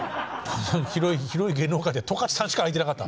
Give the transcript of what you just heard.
広い芸能界で十勝さんしか空いてなかった。